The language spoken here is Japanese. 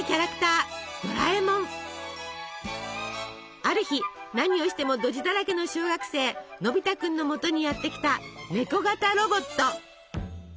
ある日何をしてもドジだらけの小学生のび太君のもとにやって来たネコ型ロボット。